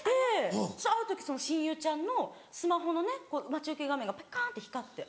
ある時その親友ちゃんのスマホの待ち受け画面がピカって光って。